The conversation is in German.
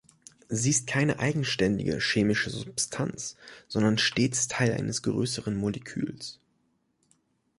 Sie ist keine eigenständige chemische Substanz, sondern stets Teil eines größeren Moleküls.